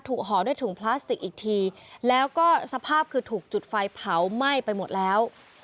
ห่อด้วยถุงพลาสติกอีกทีแล้วก็สภาพคือถูกจุดไฟเผาไหม้ไปหมดแล้ว